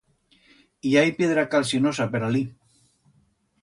I hai piedra calsinosa per alí.